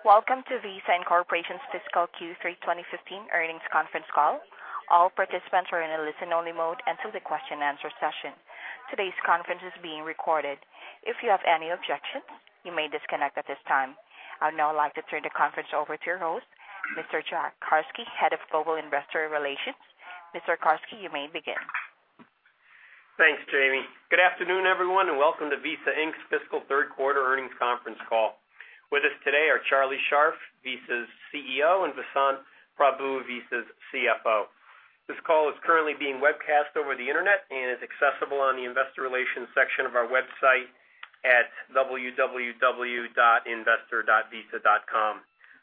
Welcome to Visa Inc.'s fiscal Q3 2015 earnings conference call. All participants are in a listen-only mode until the question and answer session. Today's conference is being recorded. If you have any objections, you may disconnect at this time. I would now like to turn the conference over to your host, Mr. Jack Carsky, Head of Global Investor Relations. Mr. Carsky, you may begin. Thanks, Jamie. Good afternoon, everyone, and welcome to Visa Inc.'s fiscal third quarter earnings conference call. With us today are Charlie Scharf, Visa's CEO, and Vasant Prabhu, Visa's CFO. This call is currently being webcast over the internet and is accessible on the investor relations section of our website at www.investor.visa.com.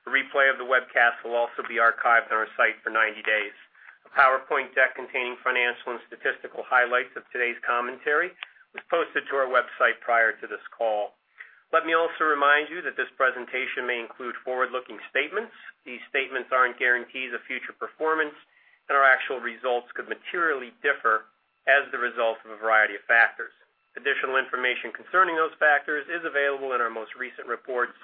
A replay of the webcast will also be archived on our site for 90 days. A PowerPoint deck containing financial and statistical highlights of today's commentary was posted to our website prior to this call. Let me also remind you that this presentation may include forward-looking statements. These statements aren't guarantees of future performance, and our actual results could materially differ as the result of a variety of factors. Additional information concerning those factors is available in our most recent reports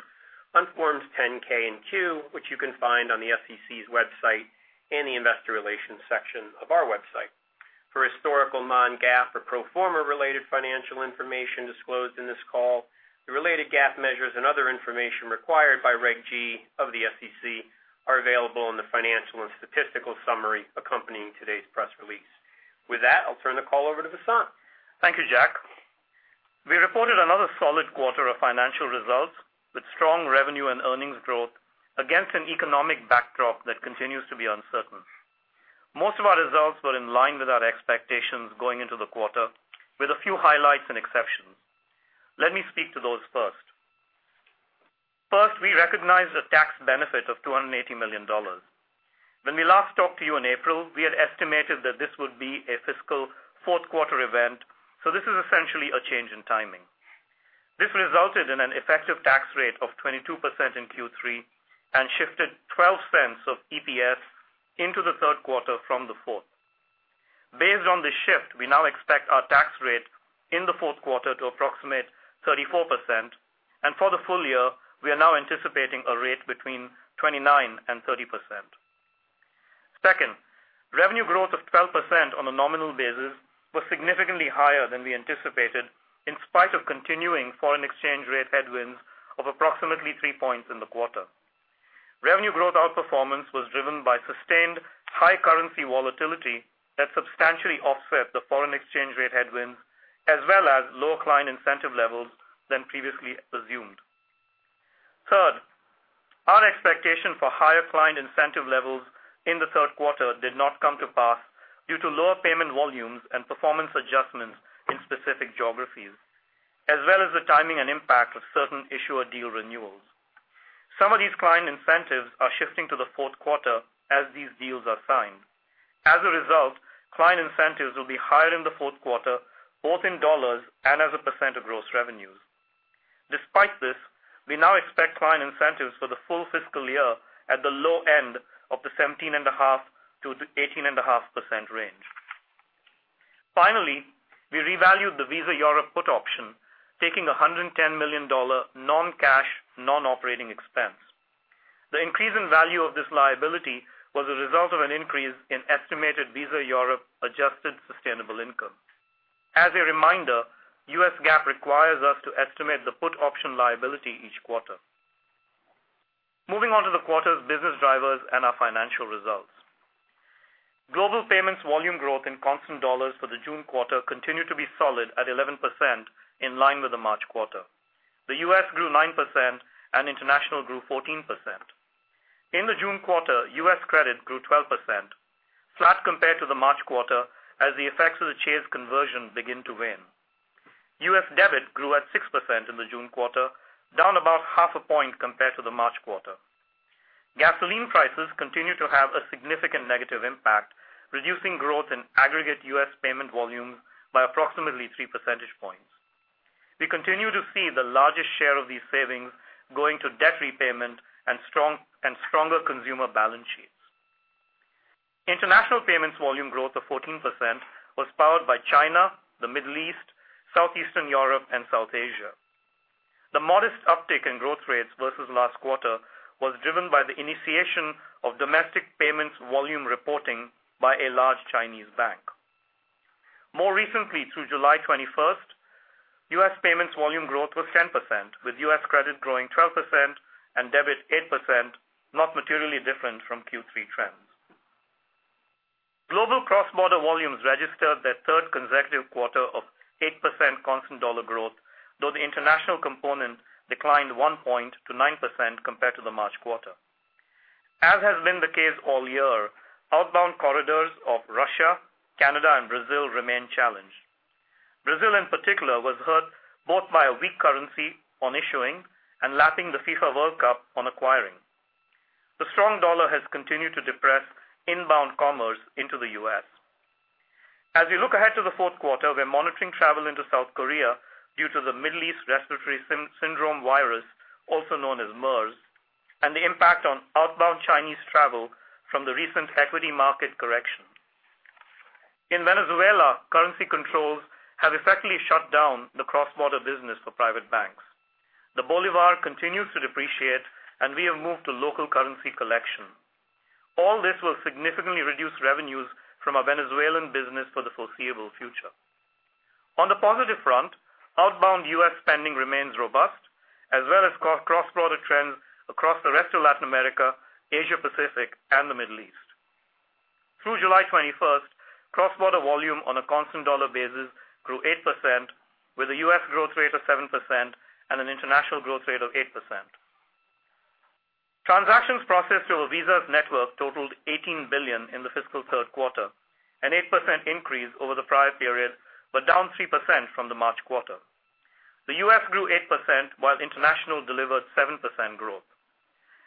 on Forms 10-K and Q, which you can find on the SEC's website and the investor relations section of our website. For historical non-GAAP or pro forma related financial information disclosed in this call, the related GAAP measures and other information required by Reg G of the SEC are available in the financial and statistical summary accompanying today's press release. With that, I'll turn the call over to Vasant. Thank you, Jack. We reported another solid quarter of financial results with strong revenue and earnings growth against an economic backdrop that continues to be uncertain. Most of our results were in line with our expectations going into the quarter, with a few highlights and exceptions. Let me speak to those first. First, we recognized a tax benefit of $280 million. When we last talked to you in April, we had estimated that this would be a fiscal fourth quarter event. This is essentially a change in timing. This resulted in an effective tax rate of 22% in Q3 and shifted $0.12 of EPS into the third quarter from the fourth. Based on this shift, we now expect our tax rate in the fourth quarter to approximate 34%, and for the full year, we are now anticipating a rate between 29% and 30%. Second, revenue growth of 12% on a nominal basis was significantly higher than we anticipated in spite of continuing foreign exchange rate headwinds of approximately 3 points in the quarter. Revenue growth outperformance was driven by sustained high currency volatility that substantially offset the foreign exchange rate headwinds as well as lower client incentive levels than previously assumed. Third, our expectation for higher client incentive levels in the third quarter did not come to pass due to lower payment volumes and performance adjustments in specific geographies, as well as the timing and impact of certain issuer deal renewals. Some of these client incentives are shifting to the fourth quarter as these deals are signed. As a result, client incentives will be higher in the fourth quarter, both in USD and as a percent of gross revenues. Despite this, we now expect client incentives for the full fiscal year at the low end of the 17.5%-18.5% range. Finally, we revalued the Visa Europe put option, taking $110 million non-cash, non-operating expense. The increase in value of this liability was a result of an increase in estimated Visa Europe adjusted sustainable income. As a reminder, U.S. GAAP requires us to estimate the put option liability each quarter. Moving on to the quarter's business drivers and our financial results. Global payments volume growth in constant dollars for the June quarter continued to be solid at 11%, in line with the March quarter. The U.S. grew 9% and international grew 14%. In the June quarter, U.S. credit grew 12%, flat compared to the March quarter as the effects of the Chase conversion begin to wane. U.S. debit grew at 6% in the June quarter, down about half a point compared to the March quarter. Gasoline prices continue to have a significant negative impact, reducing growth in aggregate U.S. payment volumes by approximately 3 percentage points. We continue to see the largest share of these savings going to debt repayment and stronger consumer balance sheets. International payments volume growth of 14% was powered by China, the Middle East, Southeastern Europe and South Asia. The modest uptick in growth rates versus last quarter was driven by the initiation of domestic payments volume reporting by a large Chinese bank. More recently, through July 21st, U.S. payments volume growth was 10%, with U.S. credit growing 12% and debit 8%, not materially different from Q3 trends. Global cross-border volumes registered their third consecutive quarter of 8% constant dollar growth, though the international component declined 1 point to 9% compared to the March quarter. As has been the case all year, outbound corridors of Russia, Canada, and Brazil remain challenged. Brazil in particular was hurt both by a weak currency on issuing and lapping the FIFA World Cup on acquiring. The strong dollar has continued to depress inbound commerce into the U.S. As we look ahead to the fourth quarter, we're monitoring travel into South Korea due to the Middle East Respiratory Syndrome virus, also known as MERS, and the impact on outbound Chinese travel from the recent equity market correction. In Venezuela, currency controls have effectively shut down the cross-border business for private banks. The bolivar continues to depreciate, and we have moved to local currency collection. All this will significantly reduce revenues from our Venezuelan business for the foreseeable future. On the positive front, outbound U.S. spending remains robust, as well as cross-border trends across the rest of Latin America, Asia Pacific and the Middle East. Through July 21st, cross-border volume on a constant dollar basis grew 8%, with a U.S. growth rate of 7% and an international growth rate of 8%. Transactions processed through a Visa network totaled $18 billion in the fiscal third quarter, an 8% increase over the prior period, but down 3% from the March quarter. The U.S. grew 8%, while international delivered 7% growth.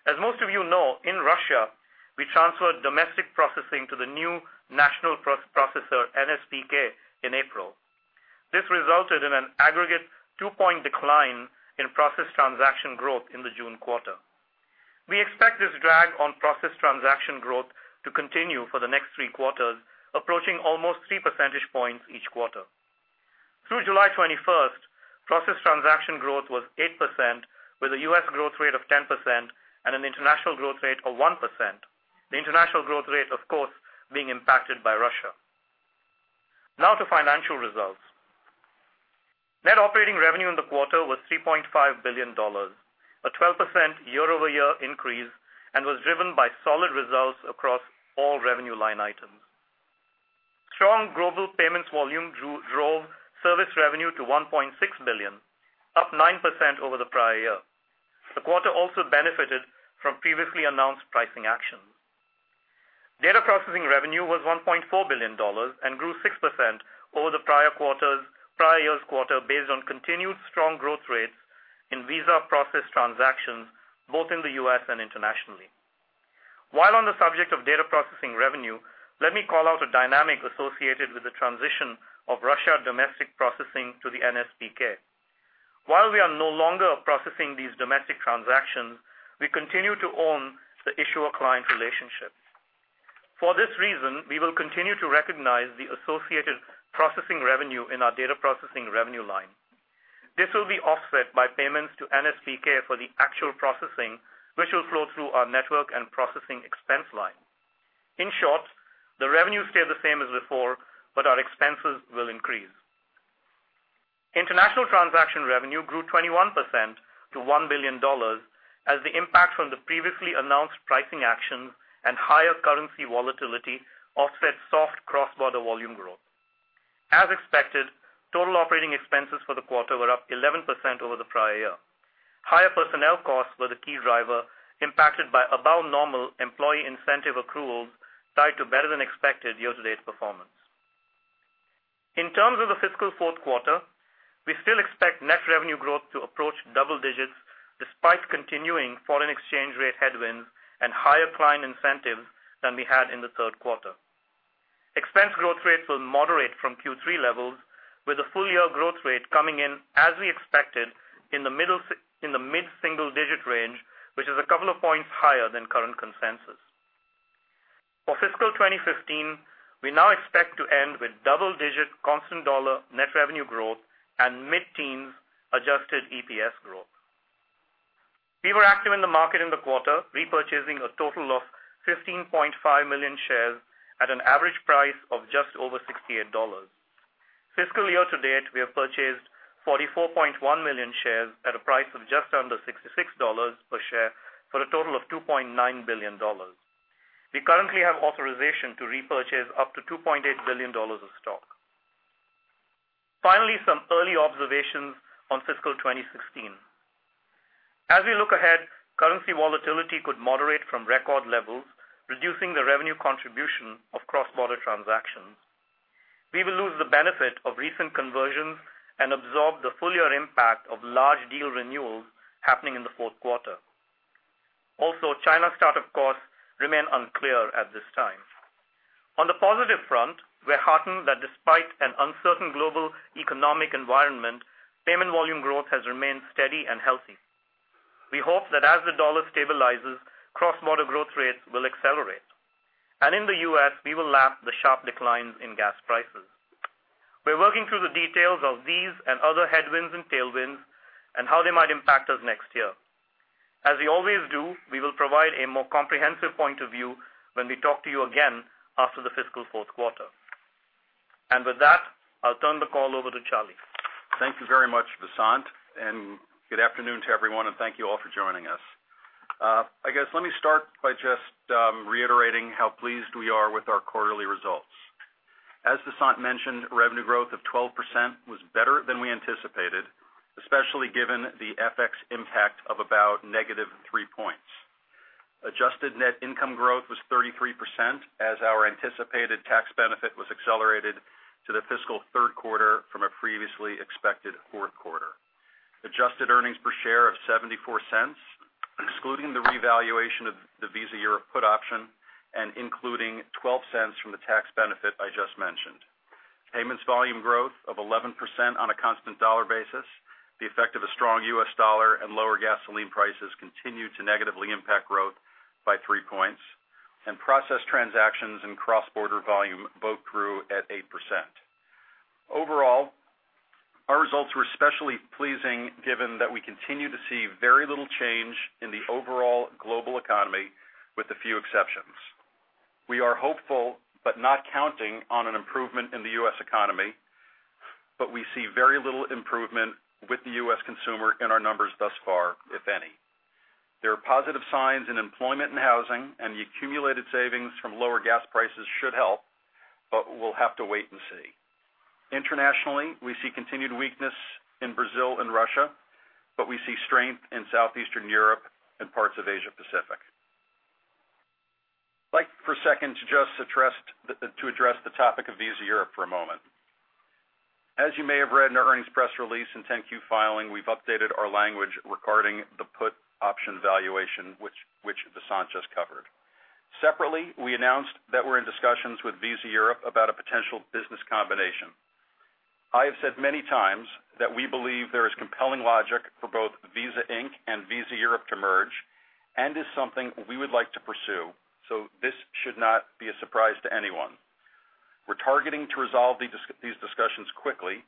As most of you know, in Russia, we transferred domestic processing to the new national processor, NSPK, in April. This resulted in an aggregate two-point decline in processed transaction growth in the June quarter. We expect this drag on processed transaction growth to continue for the next three quarters, approaching almost three percentage points each quarter. Through July 21st, processed transaction growth was 8%, with a U.S. growth rate of 10% and an international growth rate of 1%. The international growth rate, of course, being impacted by Russia. Now to financial results. Net operating revenue in the quarter was $3.5 billion, a 12% year-over-year increase, and was driven by solid results across all revenue line items. Strong global payments volume drove service revenue to $1.6 billion, up 9% over the prior year. The quarter also benefited from previously announced pricing actions. Data processing revenue was $1.4 billion and grew 6% over the prior year's quarter based on continued strong growth rates in Visa processed transactions, both in the U.S. and internationally. While on the subject of data processing revenue, let me call out a dynamic associated with the transition of Russia domestic processing to the NSPK. While we are no longer processing these domestic transactions, we continue to own the issuer-client relationships. For this reason, we will continue to recognize the associated processing revenue in our data processing revenue line. This will be offset by payments to NSPK for the actual processing, which will flow through our network and processing expense line. In short, the revenue stay the same as before, but our expenses will increase. International transaction revenue grew 21% to $1 billion, as the impact from the previously announced pricing actions and higher currency volatility offset soft cross-border volume growth. As expected, total operating expenses for the quarter were up 11% over the prior year. Higher personnel costs were the key driver, impacted by above normal employee incentive accruals tied to better than expected year-to-date performance. In terms of the fiscal fourth quarter, we still expect net revenue growth to approach double digits despite continuing foreign exchange rate headwinds and higher client incentives than we had in the third quarter. Expense growth rates will moderate from Q3 levels, with a full-year growth rate coming in as we expected in the mid-single digit range, which is a couple of points higher than current consensus. For fiscal 2015, we now expect to end with double-digit constant dollar net revenue growth and mid-teens adjusted EPS growth. We were active in the market in the quarter, repurchasing a total of 15.5 million shares at an average price of just over $68. Fiscal year to date, we have purchased 44.1 million shares at a price of just under $66 per share for a total of $2.9 billion. We currently have authorization to repurchase up to $2.8 billion of stock. Finally, some early observations on fiscal 2016. As we look ahead, currency volatility could moderate from record levels, reducing the revenue contribution of cross-border transactions. We will lose the benefit of recent conversions and absorb the full year impact of large deal renewals happening in the fourth quarter. Also, China startup costs remain unclear at this time. On the positive front, we're heartened that despite an uncertain global economic environment, payment volume growth has remained steady and healthy. We hope that as the dollar stabilizes, cross-border growth rates will accelerate. In the U.S., we will lap the sharp declines in gas prices. We're working through the details of these and other headwinds and tailwinds and how they might impact us next year. As we always do, we will provide a more comprehensive point of view when we talk to you again after the fiscal fourth quarter. With that, I'll turn the call over to Charlie. Thank you very much, Vasant, and good afternoon to everyone, and thank you all for joining us. I guess, let me start by just reiterating how pleased we are with our quarterly results. As Vasant mentioned, revenue growth of 12% was better than we anticipated, especially given the FX impact of about negative three points. Adjusted net income growth was 33%, as our anticipated tax benefit was accelerated to the fiscal third quarter from a previously expected fourth quarter. Adjusted earnings per share of $0.74, excluding the revaluation of the Visa Europe put option and including $0.12 from the tax benefit I just mentioned. Payments volume growth of 11% on a constant dollar basis. The effect of a strong U.S. dollar and lower gasoline prices continued to negatively impact growth by three points, and process transactions and cross-border volume both grew at 8%. Overall, our results were especially pleasing given that we continue to see very little change in the overall global economy, with a few exceptions. We are hopeful but not counting on an improvement in the U.S. economy, but we see very little improvement with the U.S. consumer in our numbers thus far, if any. There are positive signs in employment and housing, and the accumulated savings from lower gas prices should help, but we'll have to wait and see. Internationally, we see continued weakness in Brazil and Russia, but we see strength in Southeastern Europe and parts of Asia Pacific. I'd like for a second to address the topic of Visa Europe for a moment. As you may have read in our earnings press release and Form 10-Q filing, we've updated our language regarding the put option valuation, which Vasant just covered. Separately, we announced that we're in discussions with Visa Europe about a potential business combination. I have said many times that we believe there is compelling logic for both Visa Inc. and Visa Europe to merge and is something we would like to pursue. This should not be a surprise to anyone. We're targeting to resolve these discussions quickly,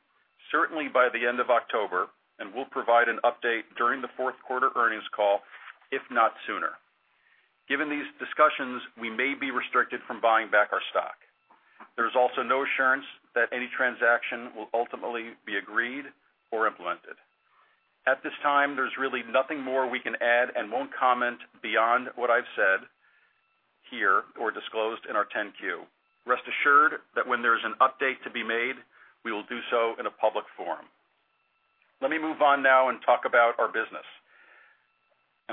certainly by the end of October, and we'll provide an update during the fourth quarter earnings call, if not sooner. Given these discussions, we may be restricted from buying back our stock. There's also no assurance that any transaction will ultimately be agreed or implemented. At this time, there's really nothing more we can add and won't comment beyond what I've said here or disclosed in our 10-Q. Rest assured that when there is an update to be made, we will do so in a public forum. Let me move on now and talk about our business.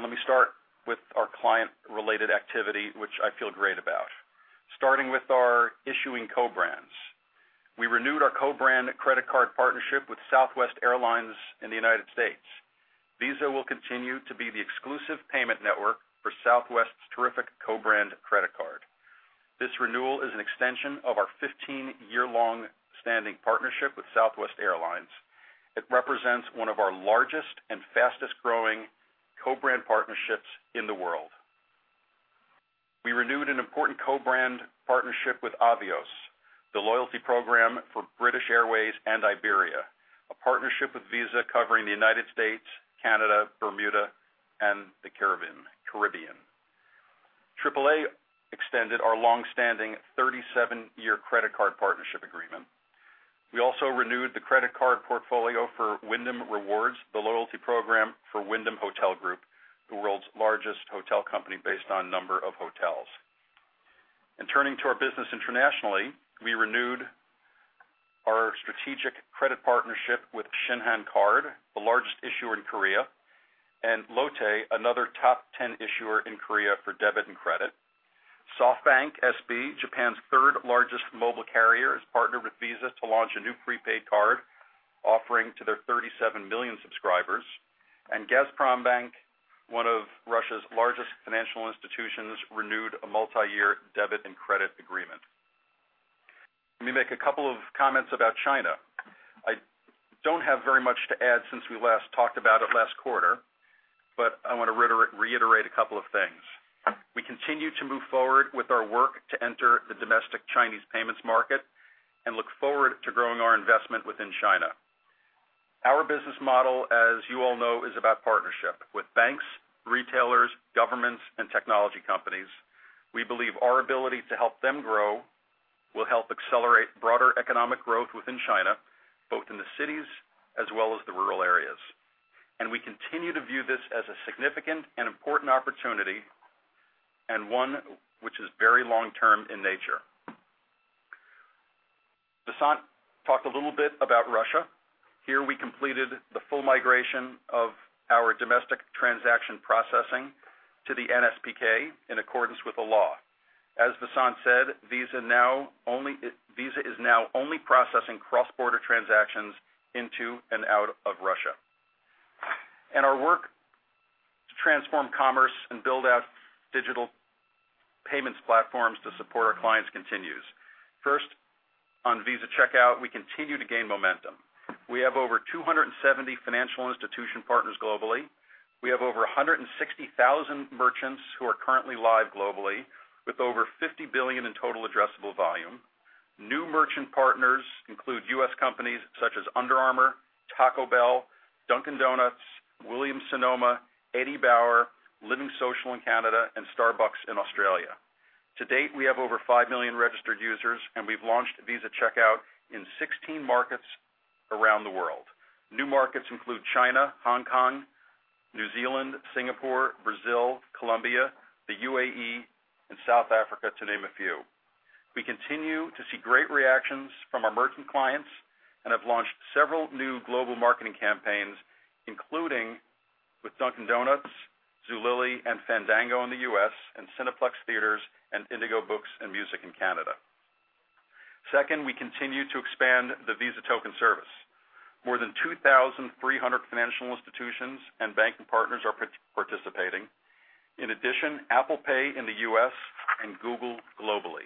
Let me start with our client-related activity, which I feel great about. Starting with our issuing co-brands. We renewed our co-brand credit card partnership with Southwest Airlines in the U.S. Visa will continue to be the exclusive payment network for Southwest's terrific co-brand credit card. This renewal is an extension of our 15-year long standing partnership with Southwest Airlines. It represents one of our largest and fastest-growing co-brand partnerships in the world. We renewed an important co-brand partnership with Avios, the loyalty program for British Airways and Iberia, a partnership with Visa covering the U.S., Canada, Bermuda, and the Caribbean. AAA extended our long-standing 37-year credit card partnership agreement. We also renewed the credit card portfolio for Wyndham Rewards, the loyalty program for Wyndham Hotel Group, the world's largest hotel company based on number of hotels. In turning to our business internationally, we renewed our strategic credit partnership with Shinhan Card, the largest issuer in Korea, and Lotte, another top 10 issuer in Korea for debit and credit. SoftBank SB, Japan's third-largest mobile carrier, has partnered with Visa to launch a new prepaid card offering to their 37 million subscribers. Gazprombank, one of Russia's largest financial institutions, renewed a multi-year debit and credit agreement. Let me make a couple of comments about China. I don't have very much to add since we last talked about it last quarter, I want to reiterate a couple of things. We continue to move forward with our work to enter the domestic Chinese payments market and look forward to growing our investment within China. Our business model, as you all know, is about partnership with banks, retailers, governments, and technology companies. We believe our ability to help them grow will help accelerate broader economic growth within China, both in the cities as well as the rural areas. We continue to view this as a significant and important opportunity, and one which is very long-term in nature. Vasant talked a little bit about Russia. Here, we completed the full migration of our domestic transaction processing to the NSPK in accordance with the law. As Vasant said, Visa is now only processing cross-border transactions into and out of Russia. Our work to transform commerce and build out digital payments platforms to support our clients continues. First, on Visa Checkout, we continue to gain momentum. We have over 270 financial institution partners globally. We have over 160,000 merchants who are currently live globally with over $50 billion in total addressable volume. New merchant partners include U.S. companies such as Under Armour, Taco Bell, Dunkin' Donuts, Williams-Sonoma, Eddie Bauer, LivingSocial in Canada, and Starbucks in Australia. To date, we have over 5 million registered users, and we've launched Visa Checkout in 16 markets around the world. New markets include China, Hong Kong, New Zealand, Singapore, Brazil, Colombia, the UAE, and South Africa, to name a few. We continue to see great reactions from our merchant clients and have launched several new global marketing campaigns, including with Dunkin' Donuts, Zulily, and Fandango in the U.S., and Cineplex Entertainment and Indigo Books & Music Inc. in Canada. Second, we continue to expand in service. More than 2,300 financial institutions and banking partners are participating. In addition, Apple Pay in the U.S. and Google globally.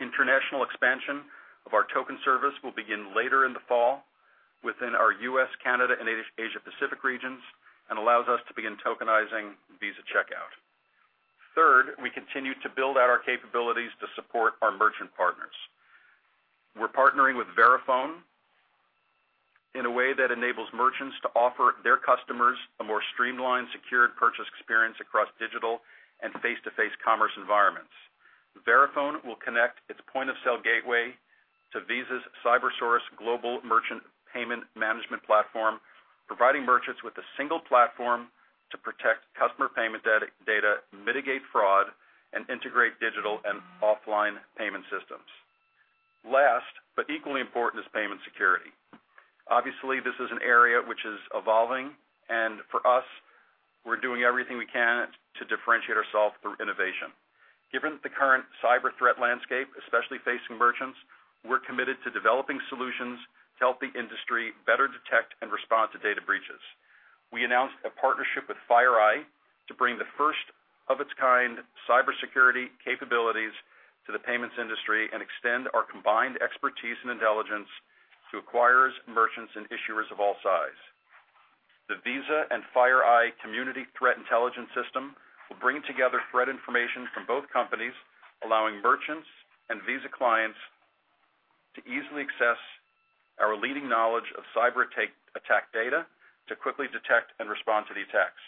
International expansion of our Visa Token Service will begin later in the fall within our U.S., Canada, and Asia-Pacific regions and allows us to begin tokenizing Visa Checkout. Third, we continue to build out our capabilities to support our merchant partners. We're partnering with Verifone in a way that enables merchants to offer their customers a more streamlined, secured purchase experience across digital and face-to-face commerce environments. Verifone will connect its point-of-sale gateway to Visa's CyberSource global merchant payment management platform, providing merchants with a single platform to protect customer payment data, mitigate fraud, and integrate digital and offline payment systems. Last, but equally important, is payment security. Obviously, this is an area which is evolving, and for us, we're doing everything we can to differentiate ourselves through innovation. Given the current cyber threat landscape, especially facing merchants, we're committed to developing solutions to help the industry better detect and respond to data breaches. We announced a partnership with FireEye to bring the first-of-its-kind cybersecurity capabilities to the payments industry and extend our combined expertise and intelligence to acquirers, merchants, and issuers of all size. The Visa and FireEye community threat intelligence system will bring together threat information from both companies, allowing merchants and Visa clients to easily access our leading knowledge of cyber attack data to quickly detect and respond to the attacks.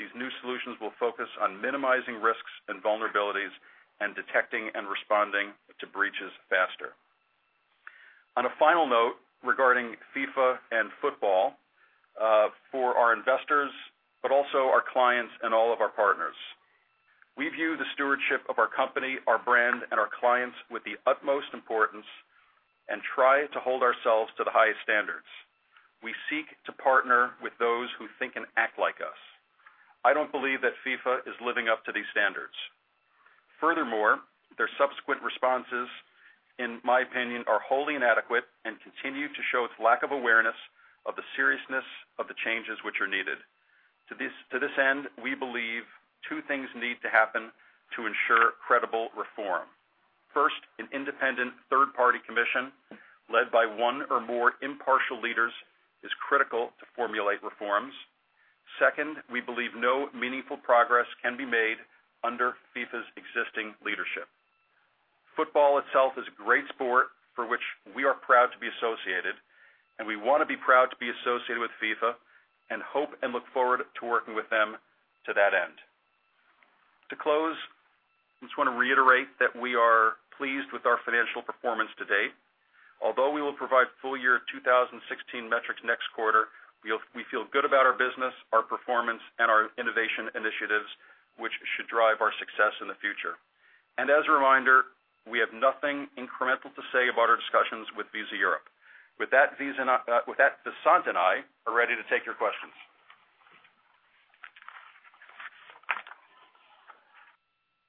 These new solutions will focus on minimizing risks and vulnerabilities and detecting and responding to breaches faster. On a final note regarding FIFA and football, for our investors, but also our clients and all of our partners, we view the stewardship of our company, our brand, and our clients with the utmost importance and try to hold ourselves to the highest standards. We seek to partner with those who think and act like us. I don't believe that FIFA is living up to these standards. Furthermore, their subsequent responses, in my opinion, are wholly inadequate and continue to show its lack of awareness of the seriousness of the changes which are needed. To this end, we believe two things need to happen to ensure credible reform. First, an independent third-party commission led by one or more impartial leaders is critical to formulate reforms. Second, we believe no meaningful progress can be made under FIFA's existing leadership. Football itself is a great sport for which we are proud to be associated. We want to be proud to be associated with FIFA, hope and look forward to working with them to that end. To close, I just want to reiterate that we are pleased with our financial performance to date. Although we will provide full year 2016 metrics next quarter, we feel good about our business, our performance, and our innovation initiatives, which should drive our success in the future. As a reminder, we have nothing incremental to say about our discussions with Visa Europe. With that, Vasant and I are ready to take your questions.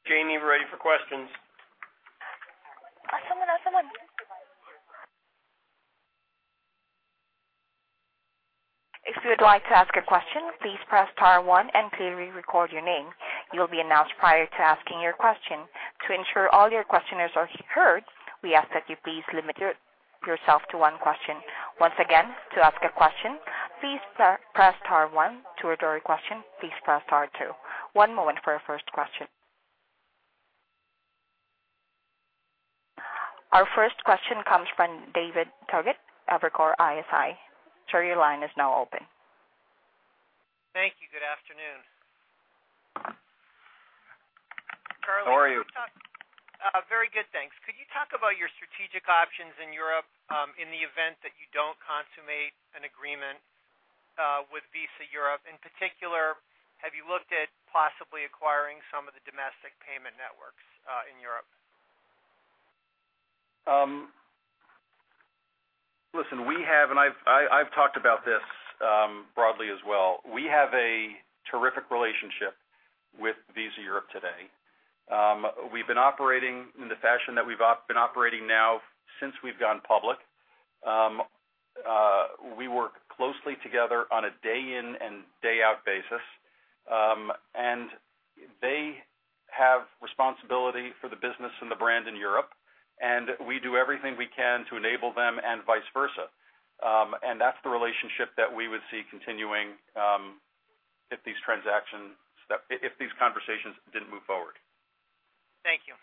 Jamie, we're ready for questions. Someone. If you would like to ask a question, please press star one and clearly record your name. You'll be announced prior to asking your question. To ensure all your questioners are heard, we ask that you please limit yourself to one question. Once again, to ask a question, please press star one. To withdraw your question, please press star two. One moment for our first question. Our first question comes from David Togut, Evercore ISI. Sir, your line is now open. Thank you. Good afternoon. How are you? Very good, thanks. Could you talk about your strategic options in Europe in the event that you don't consummate an agreement with Visa Europe? In particular, have you looked at possibly acquiring some of the domestic payment networks in Europe? Listen, I've talked about this broadly as well. We have a terrific relationship with Visa Europe today. We've been operating in the fashion that we've been operating now since we've gone public. We work closely together on a day in and day out basis. They have responsibility for the business and the brand in Europe, and we do everything we can to enable them and vice versa. That's the relationship that we would see continuing if these conversations didn't move forward. Thank you.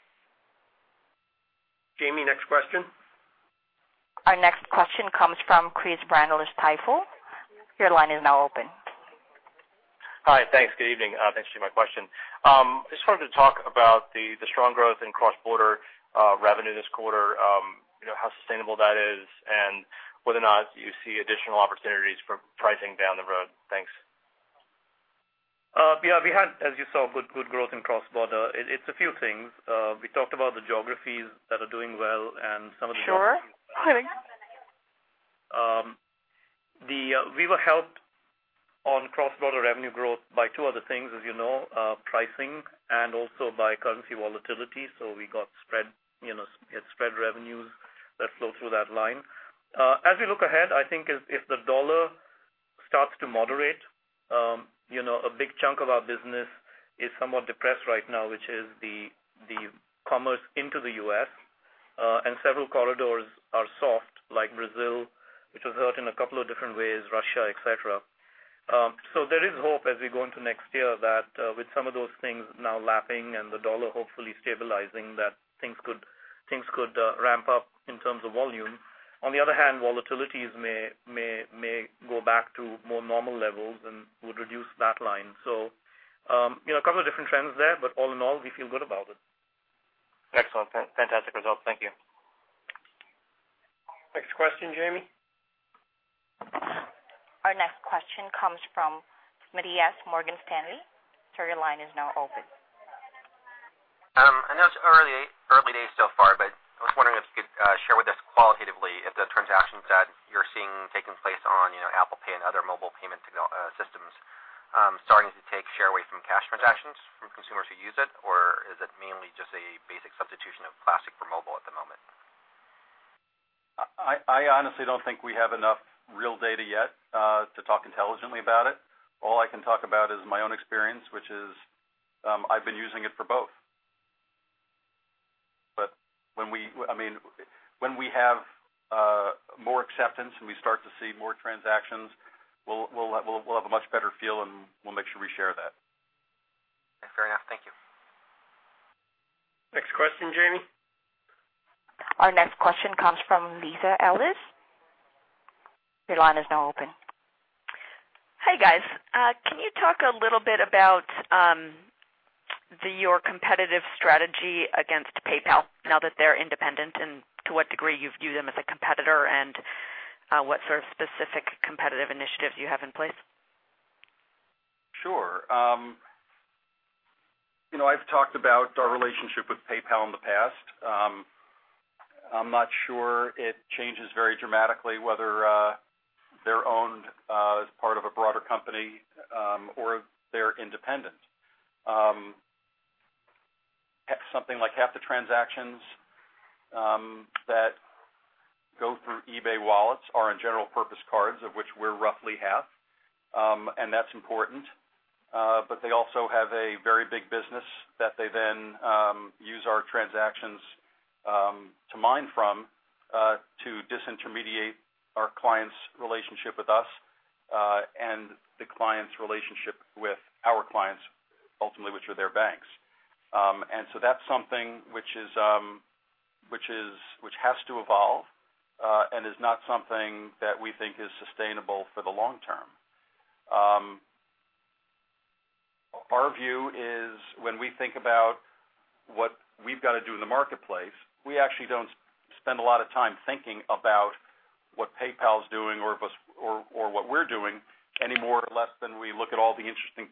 Jamie, next question. Our next question comes from Chris Brendler, Stifel. Your line is now open. Hi. Thanks. Good evening. Thanks for taking my question. I just wanted to talk about the strong growth in cross-border revenue this quarter, how sustainable that is, and whether or not you see additional opportunities for pricing down the road. Thanks. Yeah. We had, as you saw, good growth in cross-border. It's a few things. We talked about the geographies that are doing well and some of the. Sure. We were helped on cross-border revenue growth by 2 other things, as you know, pricing and also by currency volatility. We got spread revenues that flow through that line. As we look ahead, I think if the dollar starts to moderate, a big chunk of our business is somewhat depressed right now, which is the commerce into the U.S. Several corridors are soft, like Brazil, which was hurt in a couple of different ways, Russia, et cetera. There is hope as we go into next year that with some of those things now lapping and the dollar hopefully stabilizing, that things could ramp up in terms of volume. On the other hand, volatilities may go back to more normal levels and would reduce that line. A couple of different trends there, but all in all, we feel good about it. Excellent. Fantastic results. Thank you. Next question, Jamie. Our next question comes from Madias, Morgan Stanley. Sir, your line is now open. I know it's early days so far, I was wondering if you could share with us qualitatively if the transactions that you're seeing taking place on Apple Pay and other mobile payment systems starting to take share away from cash transactions from consumers who use it, or is it mainly just a basic substitution of plastic for mobile at the moment? I honestly don't think we have enough real data yet to talk intelligently about it. All I can talk about is my own experience, which is I've been using it for both. When we have more acceptance and we start to see more transactions, we'll have a much better feel, and we'll make sure we share that. That's fair enough. Thank you. Next question, Jamie. Our next question comes from Lisa Ellis. Your line is now open. Hi, guys. Can you talk a little bit about your competitive strategy against PayPal now that they're independent, and to what degree you view them as a competitor, and what sort of specific competitive initiatives you have in place? Sure. I've talked about our relationship with PayPal in the past. I'm not sure it changes very dramatically whether they're owned as part of a broader company or they're independent. Something like half the transactions that go through eBay wallets are in general purpose cards, of which we're roughly half, and that's important. They also have a very big business that they then use our transactions to mine from to disintermediate our clients' relationship with us, and the clients' relationship with our clients, ultimately, which are their banks. That's something which has to evolve, and is not something that we think is sustainable for the long term. Our view is when we think about what we've got to do in the marketplace, we actually don't spend a lot of time thinking about what PayPal's doing or what we're doing any more or less than we look at all the interesting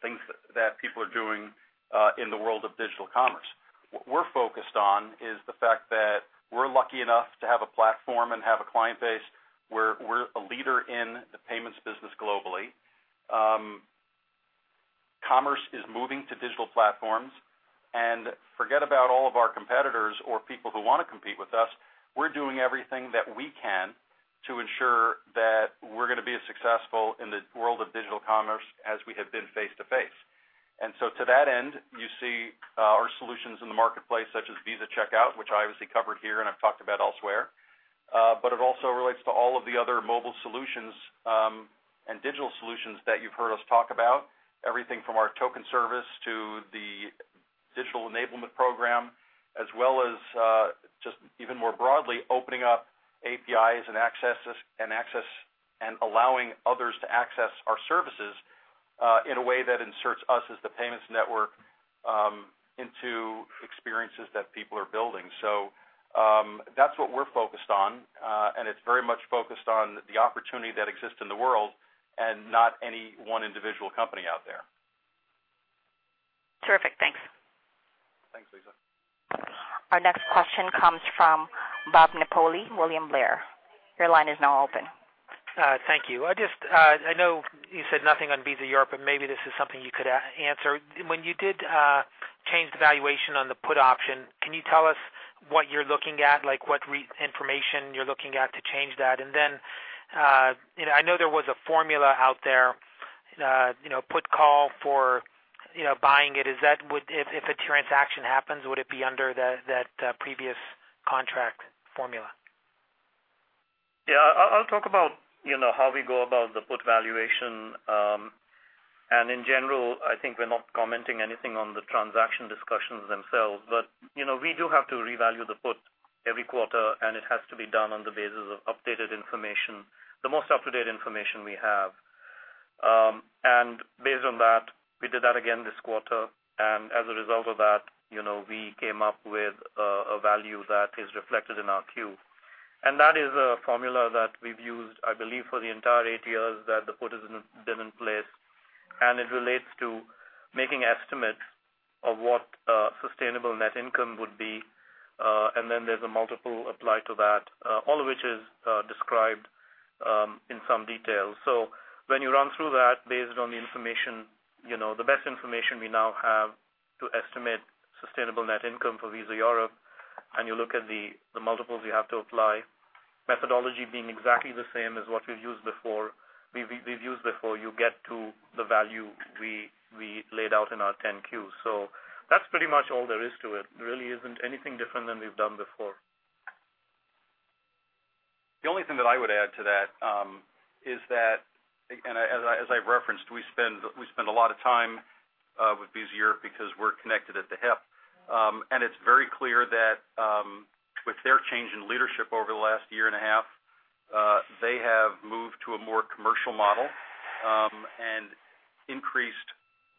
things that people are doing in the world of digital commerce. What we're focused on is the fact that we're lucky enough to have a platform and have a client base where we're a leader in the payments business globally. Commerce is moving to digital platforms, and forget about all of our competitors or people who want to compete with us. We're doing everything that we can to ensure that we're going to be as successful in the world of digital commerce as we have been face-to-face. To that end, you see our solutions in the marketplace, such as Visa Checkout, which I obviously covered here and I've talked about elsewhere. It also relates to all of the other mobile solutions and digital solutions that you've heard us talk about, everything from our token service to the digital enablement program, as well as just even more broadly, opening up APIs and allowing others to access our services in a way that inserts us as the payments network into experiences that people are building. That's what we're focused on, and it's very much focused on the opportunity that exists in the world and not any one individual company out there. Terrific. Thanks. Thanks, Lisa. Our next question comes from Robert Napoli, William Blair. Your line is now open. Thank you. I know you said nothing on Visa Europe, but maybe this is something you could answer. When you did change the valuation on the put option, can you tell us what you're looking at, like what information you're looking at to change that? I know there was a formula out there, put call for buying it. If a transaction happens, would it be under that previous contract formula? Yeah. I'll talk about how we go about the put valuation. In general, I think we're not commenting anything on the transaction discussions themselves. We do have to revalue the put every quarter, and it has to be done on the basis of updated information, the most up-to-date information we have. Based on that, we did that again this quarter. As a result of that, we came up with a value that is reflected in our Q. That is a formula that we've used, I believe, for the entire 8 years that the put has been in place. It relates to making estimates of what sustainable net income would be, and then there's a multiple applied to that, all of which is described in some detail. When you run through that, based on the best information we now have to estimate sustainable net income for Visa Europe, and you look at the multiples you have to apply, methodology being exactly the same as what we've used before, you get to the value we laid out in our 10-Q. That's pretty much all there is to it. There really isn't anything different than we've done before. The only thing that I would add to that is that, as I referenced, we spend a lot of time with Visa Europe because we're connected at the hip. It's very clear that with their change in leadership over the last year and a half, they have moved to a more commercial model and increased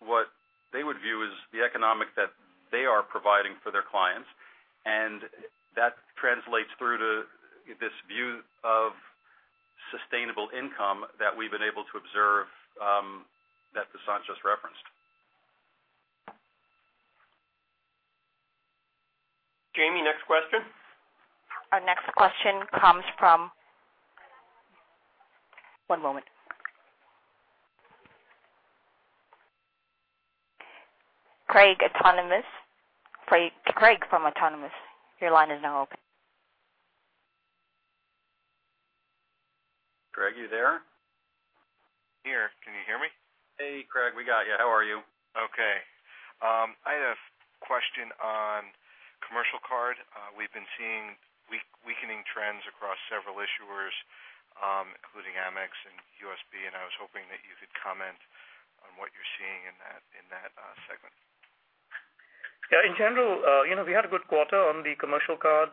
what they would view as the economic that they are providing for their clients. That translates through to this view of sustainable income that we've been able to observe that Vasant just referenced. Jamie, next question. Our next question comes from One moment. Craig, Autonomous. Craig from Autonomous, your line is now open. Craig, you there? Here. Can you hear me? Hey, Craig. We got you. How are you? Okay. I had a question on commercial card. We've been seeing weakening trends across several issuers, including Amex and USB, I was hoping that you could comment on what you're seeing in that segment. Yeah. In general, we had a good quarter on the commercial card.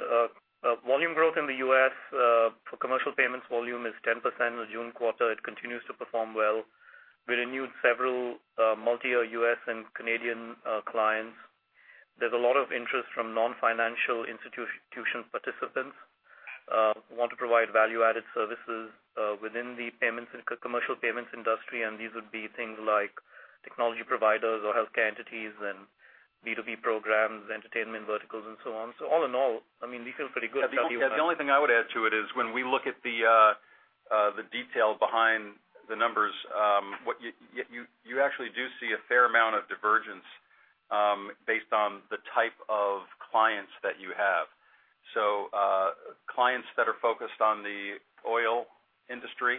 Volume growth in the U.S. for commercial payments volume is 10% in the June quarter. It continues to perform well. We renewed several multi-year U.S. and Canadian clients. There's a lot of interest from non-financial institution participants who want to provide value-added services within the commercial payments industry, these would be things like technology providers or healthcare entities and B2B programs, entertainment verticals, and so on. All in all, we feel pretty good. The only thing I would add to it is when we look at the detail behind the numbers, you actually do see a fair amount of divergence based on the type of clients that you have. Clients that are focused on the oil industry,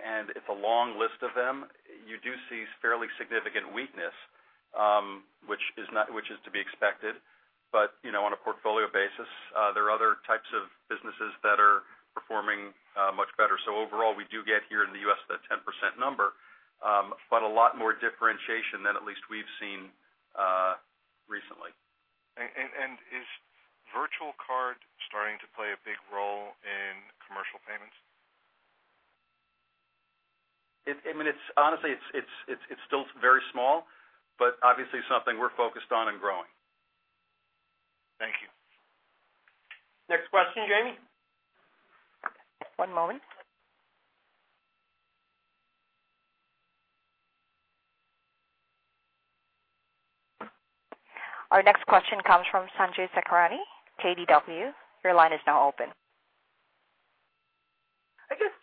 it's a long list of them, you do see fairly significant weakness, which is to be expected. On a portfolio basis, there are other types of businesses that are performing much better. Overall, we do get here in the U.S. that 10% number, but a lot more differentiation than at least we've seen recently. Is virtual card starting to play a big role in commercial payments? Honestly, it's still very small, but obviously something we're focused on and growing. Thank you. Next question, Jamie. One moment. Our next question comes from Sanjay Sakhrani, KBW. Your line is now open. I guess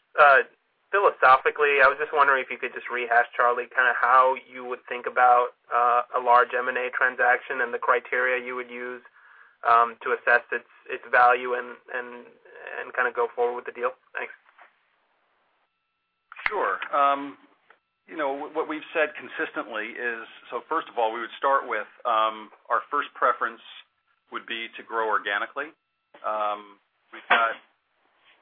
philosophically, I was just wondering if you could just rehash, Charlie, kind of how you would think about a large M&A transaction and the criteria you would use to assess its value and kind of go forward with the deal. Thanks. Sure. What we've said consistently is, first of all, we would start with our first preference would be to grow organically. We've got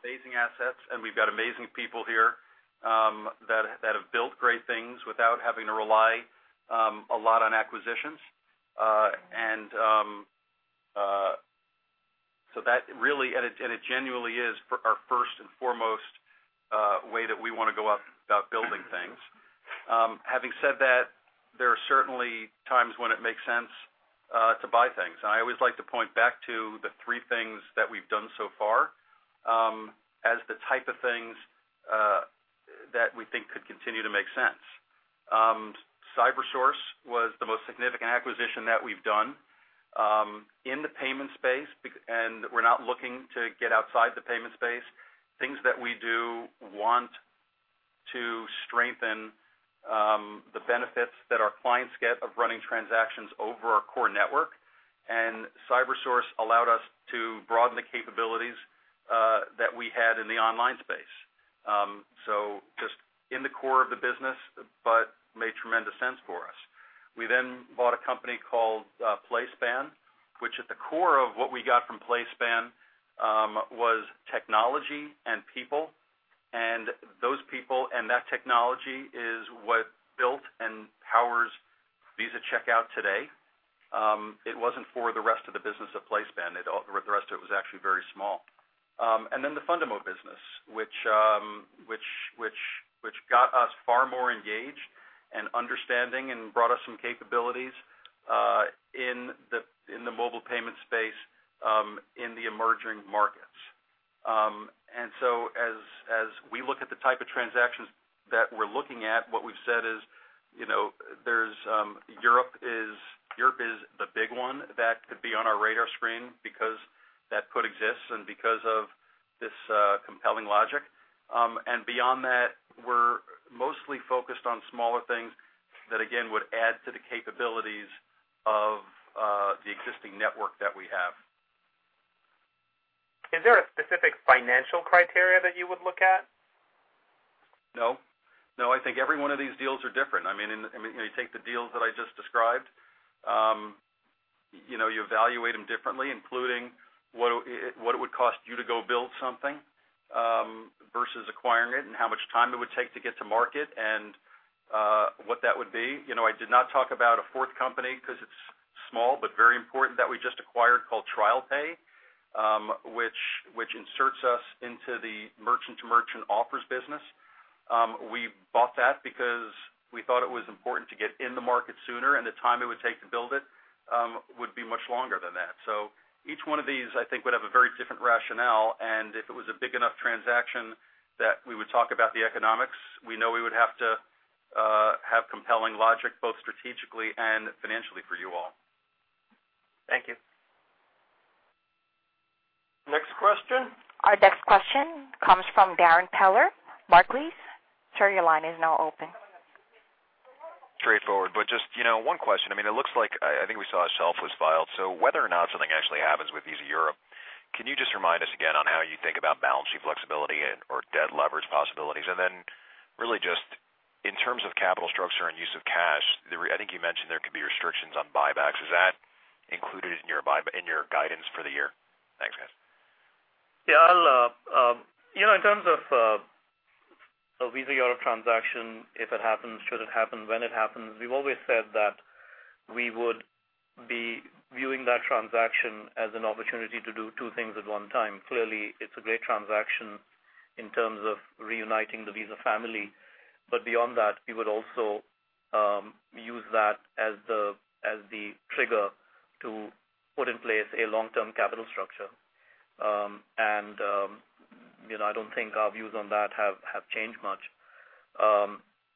amazing assets, and we've got amazing people here that have built great things without having to rely a lot on acquisitions. It genuinely is our first and foremost way that we want to go about building things. Having said that, there are certainly times when it makes sense to buy things. I always like to point back to the three things that we've done so far as the type of things that we think could continue to make sense. CyberSource was the most significant acquisition that we've done in the payment space, and we're not looking to get outside the payment space. Things that we do want to strengthen the benefits that our clients get of running transactions over our core network. CyberSource allowed us to broaden the capabilities that we had in the online space. Just in the core of the business, but made tremendous sense for us. We bought a company called PlaySpan, which at the core of what we got from PlaySpan was technology and people. Those people and that technology is what built and powers Visa Checkout today. It wasn't for the rest of the business of PlaySpan. The rest of it was actually very small. The Fundamo business, which got us far more engaged and understanding and brought us some capabilities in the mobile payment space in the emerging markets. As we look at the type of transactions that we're looking at, what we've said is Europe is the big one that could be on our radar screen because that put exists and because of this compelling logic. Beyond that, we're mostly focused on smaller things that, again, would add to the capabilities of the existing network that we have. Is there a specific financial criteria that you would look at? No. I think every one of these deals are different. You take the deals that I just described, you evaluate them differently, including what it would cost you to go build something versus acquiring it, and how much time it would take to get to market and what that would be. I did not talk about a fourth company because it's small but very important that we just acquired called TrialPay which inserts us into the merchant-to-merchant offers business. We bought that because we thought it was important to get in the market sooner, and the time it would take to build it would be much longer than that. Each one of these, I think, would have a very different rationale. If it was a big enough transaction that we would talk about the economics, we know we would have to have compelling logic both strategically and financially for you all. Thank you. Next question. Our next question comes from Darrin Peller, Barclays. Sir, your line is now open. Straightforward, just one question. It looks like, I think we saw a shelf was filed. Whether or not something actually happens with Visa Europe, can you just remind us again on how you think about balance sheet flexibility or debt leverage possibilities? Then really just in terms of capital structure and use of cash, I think you mentioned there could be restrictions on buybacks. Is that included in your guidance for the year? Thanks, guys. Yeah. In terms of a Visa Europe transaction, if it happens, should it happen, when it happens, we've always said that we would be viewing that transaction as an opportunity to do two things at one time. Clearly, it's a great transaction in terms of reuniting the Visa family. Beyond that, we would also use that as the trigger to put in place a long-term capital structure. I don't think our views on that have changed much.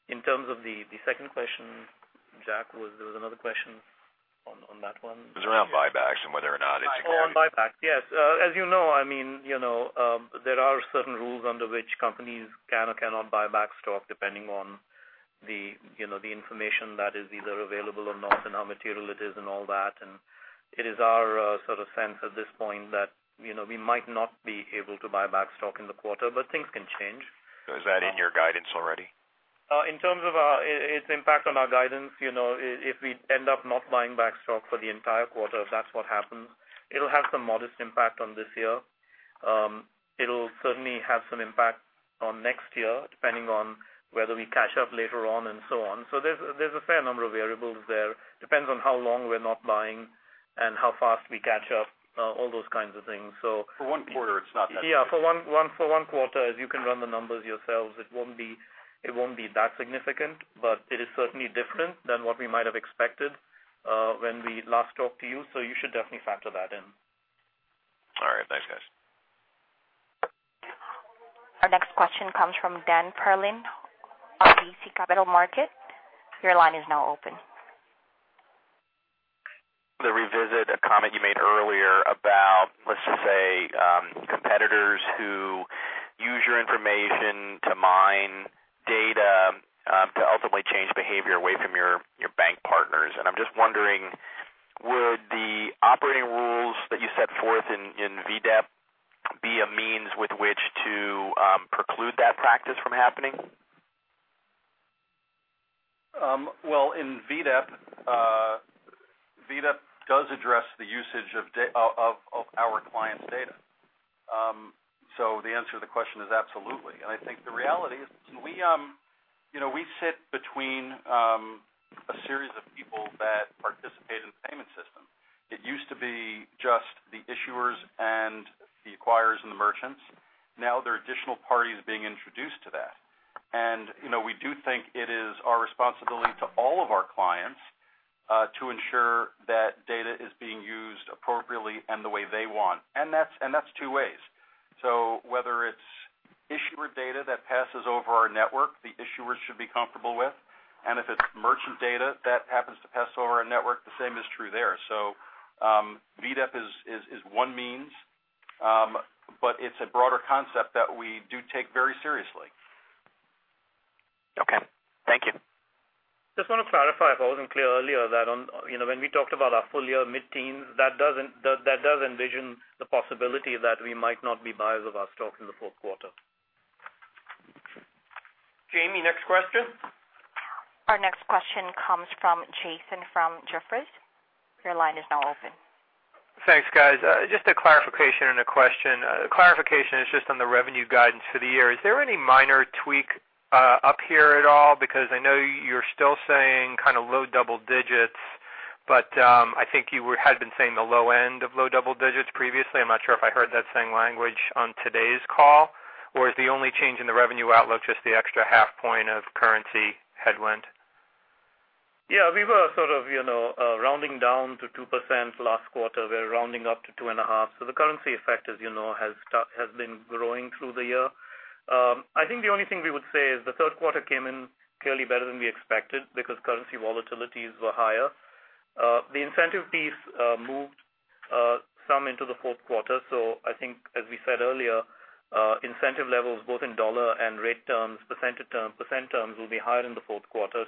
In terms of the second question, Jack, there was another question on that one. It was around buybacks and whether or not it's- Oh, on buyback. Yes. As you know, there are certain rules under which companies can or cannot buy back stock depending on the information that is either available or not and how material it is and all that. It is our sort of sense at this point that we might not be able to buy back stock in the quarter, but things can change. Is that in your guidance already? In terms of its impact on our guidance, if we end up not buying back stock for the entire quarter, if that's what happens, it'll have some modest impact on this year. It'll certainly have some impact on next year, depending on whether we catch up later on and so on. There's a fair number of variables there. Depends on how long we're not buying and how fast we catch up, all those kinds of things. For one quarter, it's not that- Yeah, for one quarter, as you can run the numbers yourselves, it won't be that significant. It is certainly different than what we might have expected when we last talked to you. You should definitely factor that in. All right. Thanks, guys. Our next question comes from Daniel Perlin of RBC Capital Markets. Your line is now open. To revisit a comment you made earlier about, let's just say, competitors who use your information to mine data to ultimately change behavior away from your bank partners. I'm just wondering, would the operating rules that you set forth in VDEP be a means with which to preclude that practice from happening? Well, in VDEP does address the usage of our clients' data. The answer to the question is absolutely. I think the reality is we sit between a series of people that participate in the payment system. It used to be just the issuers and the acquirers and the merchants. Now there are additional parties being introduced to that. We do think it is our responsibility to all of our clients to ensure that data is being used appropriately and the way they want. That's two ways. Whether it's issuer data that passes over our network, the issuers should be comfortable with. If it's merchant data that happens to pass over our network, the same is true there. VDEP is one means, but it's a broader concept that we do take very seriously. Okay. Thank you. Just want to clarify, if I wasn't clear earlier, that when we talked about our full year mid-teens, that does envision the possibility that we might not be buyers of our stock in the fourth quarter. Jamie, next question. Our next question comes from Jason from Jefferies. Your line is now open. Thanks, guys. Just a clarification and a question. Clarification is just on the revenue guidance for the year. Is there any minor tweak up here at all? I know you're still saying kind of low double digits, but I think you had been saying the low end of low double digits previously. I'm not sure if I heard that same language on today's call. Is the only change in the revenue outlook just the extra half point of currency headwind? Yeah, we were sort of rounding down to 2% last quarter. We're rounding up to two and a half. The currency effect, as you know, has been growing through the year. I think the only thing we would say is the third quarter came in clearly better than we expected because currency volatilities were higher. The incentive piece moved some into the fourth quarter. I think as we said earlier, incentive levels both in USD and rate terms, percent terms, will be higher in the fourth quarter.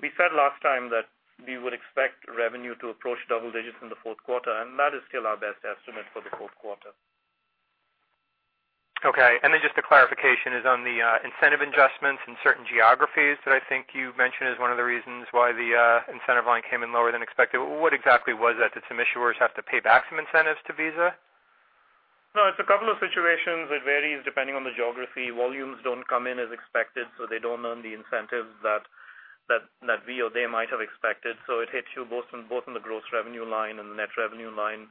We said last time that we would expect revenue to approach double digits in the fourth quarter, and that is still our best estimate for the fourth quarter. Okay. Just a clarification is on the incentive adjustments in certain geographies that I think you mentioned as one of the reasons why the incentive line came in lower than expected. What exactly was that? Did some issuers have to pay back some incentives to Visa? No, it's a couple of situations. It varies depending on the geography. Volumes don't come in as expected, so they don't earn the incentive that we or they might have expected. It hits you both on the gross revenue line and the net revenue line,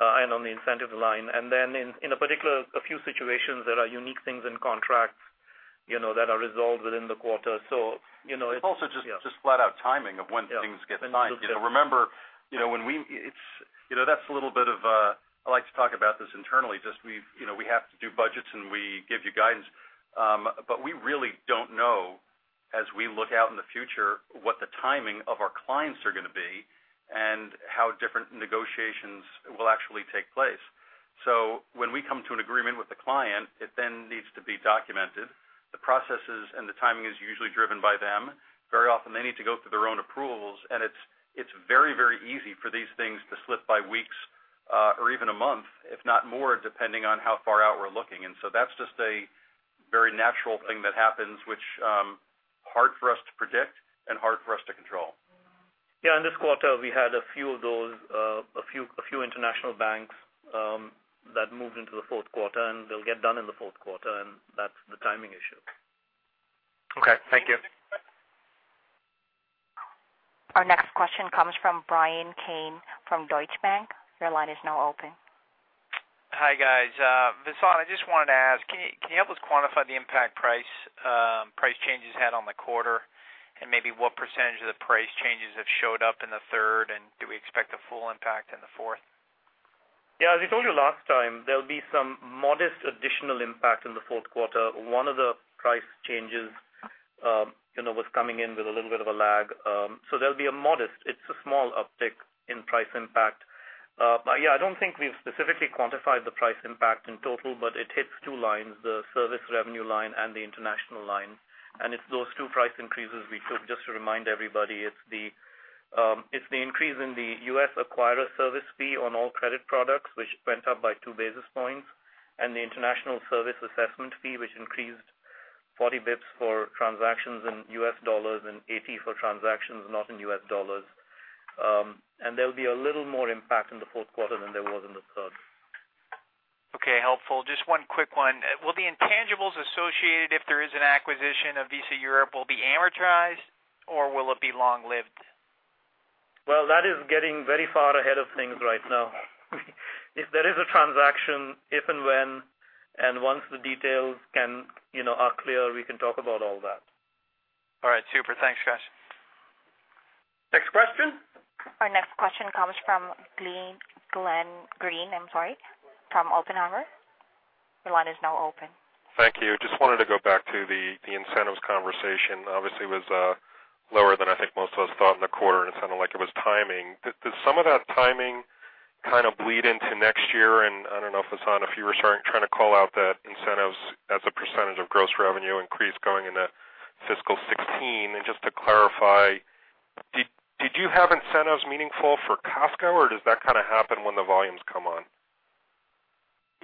and on the incentive line. In a particular few situations, there are unique things in contracts that are resolved within the quarter. It's also just flat out timing of when things get signed. Remember, that's a little bit of a I like to talk about this internally. We have to do budgets, and we give you guidance. We really don't know as we look out in the future, what the timing of our clients are going to be and how different negotiations will actually take place. When we come to an agreement with the client, it then needs to be documented. The processes and the timing is usually driven by them. Very often, they need to go through their own approvals, and it's very easy for these things to slip by weeks or even a month, if not more, depending on how far out we're looking. That's just a very natural thing that happens, which is hard for us to predict and hard for us to control. Yeah, in this quarter, we had a few of those, a few international banks that moved into the fourth quarter, and they'll get done in the fourth quarter, and that's the timing issue. Okay. Thank you. Our next question comes from Bryan Keane from Deutsche Bank. Your line is now open. Hi, guys. Vasant, I just wanted to ask, can you help us quantify the impact price changes had on the quarter and maybe what % of the price changes have showed up in the third, and do we expect a full impact in the fourth? Yeah. As I told you last time, there'll be some modest additional impact in the fourth quarter. One of the price changes was coming in with a little bit of a lag. There'll be a modest, it's a small uptick in price impact. Yeah, I don't think we've specifically quantified the price impact in total, but it hits two lines, the service revenue line and the international line. It's those two price increases we took. Just to remind everybody, it's the increase in the U.S. acquirer service fee on all credit products, which went up by two basis points, and the international service assessment fee, which increased 40 basis points for transactions in U.S. dollars and 80 for transactions not in U.S. dollars. There'll be a little more impact in the fourth quarter than there was in the third. Okay. Helpful. Just one quick one. Will the intangibles associated if there is an acquisition of Visa Europe will be amortized, or will it be long-lived? Well, that is getting very far ahead of things right now. If there is a transaction, if and when, and once the details are clear, we can talk about all that. All right. Super. Thanks, guys. Next question? Our next question comes from Glenn Greene from Oppenheimer. Your line is now open. Thank you. Just wanted to go back to the incentives conversation. Obviously, it was lower than I think most of us thought in the quarter, and it sounded like it was timing. Does some of that timing kind of bleed into next year? I don't know, Vasan, if you were trying to call out that incentives as a percentage of gross revenue increase going into fiscal 2016. Just to clarify, did you have incentives meaningful for Costco, or does that kind of happen when the volumes come on?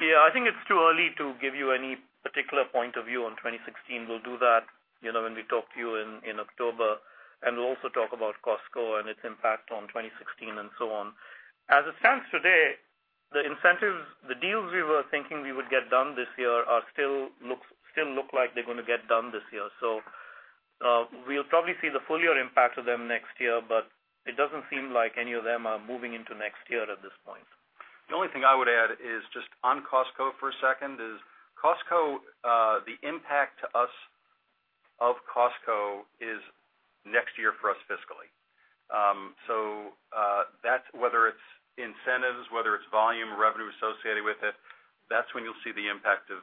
I think it's too early to give you any particular point of view on 2016. We'll do that when we talk to you in October, and we'll also talk about Costco and its impact on 2016 and so on. As it stands today, the deals we were thinking we would get done this year still look like they're going to get done this year. We'll probably see the full year impact of them next year, but it doesn't seem like any of them are moving into next year at this point. The only thing I would add is just on Costco for a second is, the impact to us of Costco is next year for us fiscally. Whether it's incentives, whether it's volume or revenue associated with it, that's when you'll see the impact of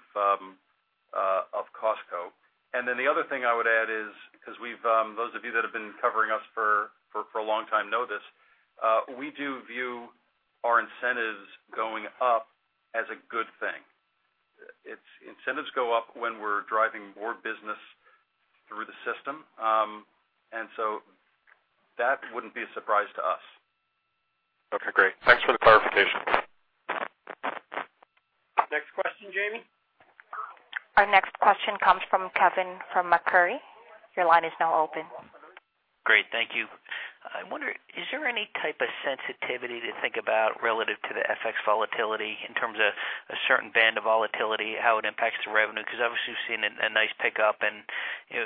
Costco. The other thing I would add is, because those of you that have been covering us for a long time know this, we do view our incentives going up as a good thing. Incentives go up when we're driving more business through the system. That wouldn't be a surprise to us. Okay, great. Thanks for the clarification. Next question, Jamie. Our next question comes from Kevin from Macquarie. Your line is now open. Great. Thank you. I wonder, is there any type of sensitivity to think about relative to the FX volatility in terms of a certain band of volatility, how it impacts the revenue? Because obviously, we've seen a nice pickup and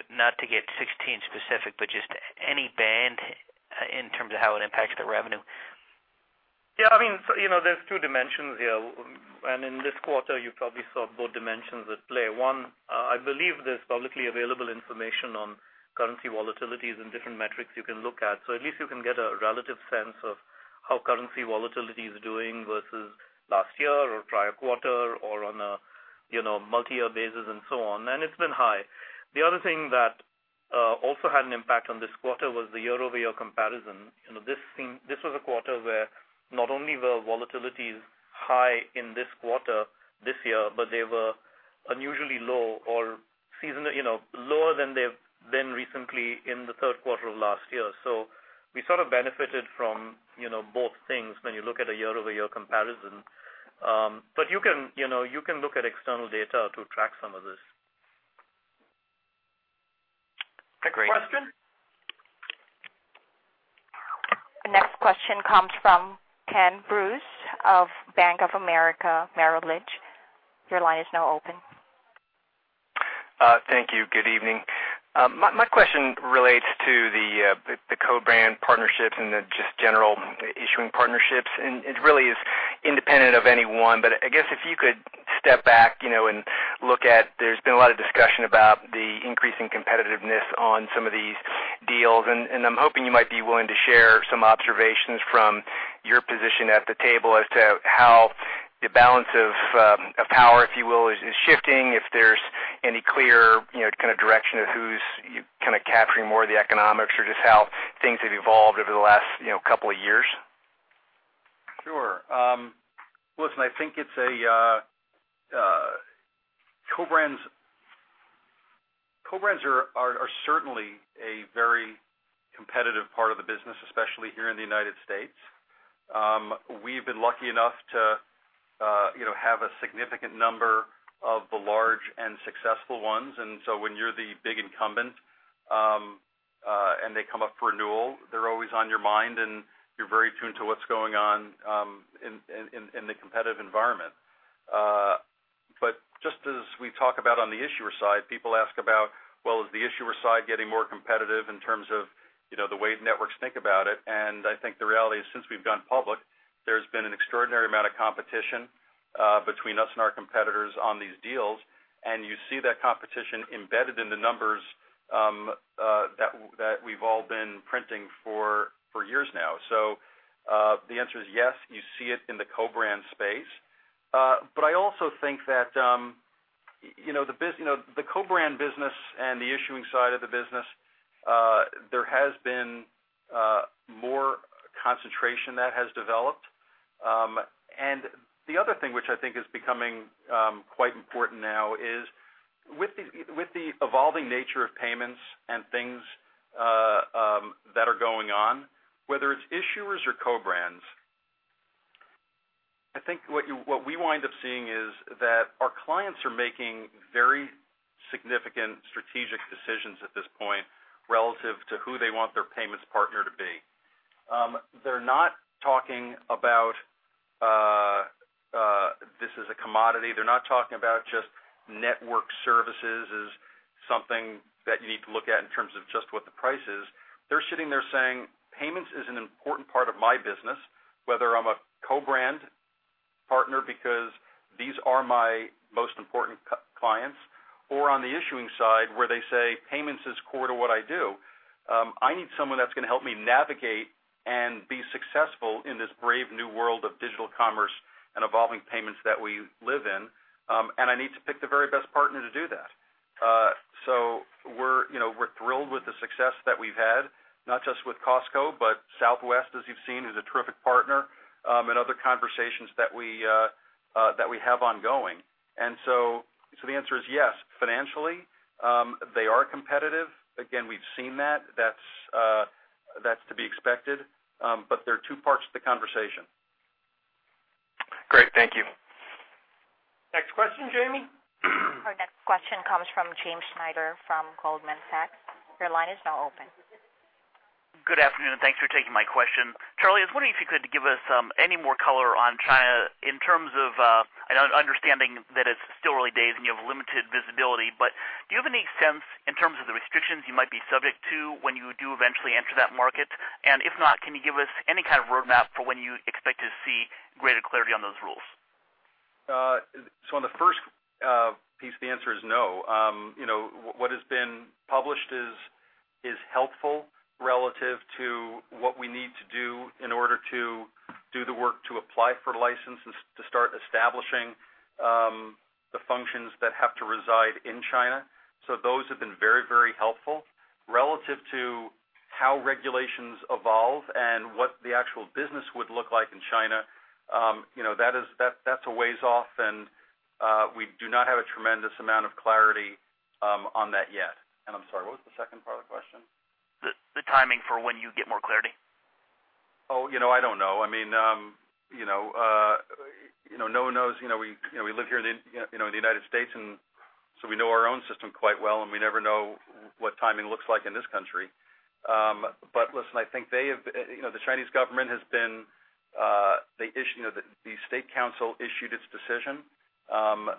not to get 2016 specific, but just any band in terms of how it impacts the revenue. Yeah. There's two dimensions here. In this quarter, you probably saw both dimensions at play. One, I believe there's publicly available information on currency volatilities and different metrics you can look at. At least you can get a relative sense of how currency volatility is doing versus last year or prior quarter or on a multi-year basis and so on. It's been high. The other thing that also had an impact on this quarter was the year-over-year comparison. This was a quarter where not only were volatilities high in this quarter, this year, but they were unusually low or lower than they've been recently in the third quarter of last year. We sort of benefited from both things when you look at a year-over-year comparison. You can look at external data to track some of this. Great. Next question. The next question comes from Kenneth Bruce of Bank of America Merrill Lynch. Your line is now open. Thank you. Good evening. My question relates to the co-brand partnerships and the just general issuing partnerships. It really is independent of anyone. I guess if you could step back and look at, there's been a lot of discussion about the increasing competitiveness on some of these deals. I'm hoping you might be willing to share some observations from your position at the table as to how the balance of power, if you will, is shifting, if there's any clear kind of direction of who's kind of capturing more of the economics or just how things have evolved over the last couple of years. Sure. Listen, I think co-brands are certainly a very competitive part of the business, especially here in the U.S. We've been lucky enough to have a significant number of the large and successful ones. When you're the big incumbent, and they come up for renewal, they're always on your mind, and you're very tuned to what's going on in the competitive environment. Just as we talk about on the issuer side, people ask about, well, is the issuer side getting more competitive in terms of the way networks think about it? I think the reality is, since we've gone public, there's been an extraordinary amount of competition between us and our competitors on these deals, and you see that competition embedded in the numbers that we've all been printing for years now. The answer is yes, you see it in the co-brand space. I also think that the co-brand business and the issuing side of the business there has been more concentration that has developed. The other thing which I think is becoming quite important now is with the evolving nature of payments and things that are going on, whether it's issuers or co-brands, I think what we wind up seeing is that our clients are making very significant strategic decisions at this point relative to who they want their payments partner to be. They're not talking about this as a commodity. They're not talking about just network services as something that you need to look at in terms of just what the price is. They're sitting there saying, "Payments is an important part of my business, whether I'm a co-brand partner, because these are my most important clients," or on the issuing side, where they say, "Payments is core to what I do. I need someone that's going to help me navigate and be successful in this brave new world of digital commerce and evolving payments that we live in. I need to pick the very best partner to do that." We're thrilled with the success that we've had, not just with Costco, but Southwest, as you've seen, is a terrific partner, and other conversations that we have ongoing. The answer is yes. Financially, they are competitive. Again, we've seen that. That's to be expected. There are two parts to the conversation. Great. Thank you. Next question, Jamie. Our next question comes from James Schneider from Goldman Sachs. Your line is now open. Good afternoon. Thanks for taking my question. Charlie, I was wondering if you could give us any more color on China in terms of, I know, understanding that it's still early days and you have limited visibility, do you have any sense in terms of the restrictions you might be subject to when you do eventually enter that market? If not, can you give us any kind of roadmap for when you expect to see greater clarity on those rules? On the first piece, the answer is no. What has been published is helpful relative to what we need to do in order to do the work to apply for licenses to start establishing the functions that have to reside in China. Those have been very helpful. Relative to how regulations evolve and what the actual business would look like in China, that's a ways off, we do not have a tremendous amount of clarity on that yet. I'm sorry, what was the second part of the question? The timing for when you get more clarity. Oh, I don't know. No one knows. We live here in the U.S., we know our own system quite well, we never know what timing looks like in this country. Listen, I think the Chinese government, the State Council issued its decision.